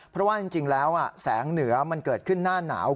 เพราะว่าจริงแล้วแสงเหนือมันเกิดขึ้นหน้าหนาว